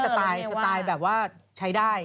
สไตล์แบบว่าใช้ได้